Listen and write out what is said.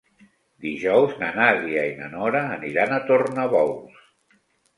Dijous na Nàdia i na Nora aniran a Tornabous.